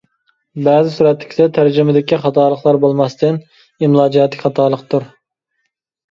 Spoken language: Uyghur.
بەزى سۈرەتتىكىسى تەرجىمىدىكى خاتالىقلا بولماستىن، ئىملا جەھەتتىكى خاتالىقتۇر.